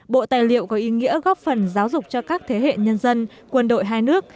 bộ tài liệu có ý nghĩa góp phần giáo dục cho các thế hệ nhân dân quân đội hai nước